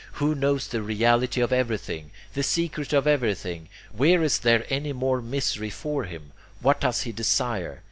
He knows the reality of everything, the secret of everything. Where is there any more misery for him? What does he desire?